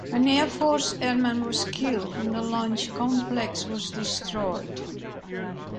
An Air Force airman was killed and the launch complex was destroyed.